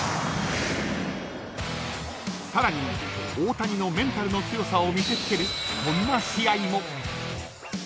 ［さらに大谷のメンタルの強さを見せつけるこんな試合も］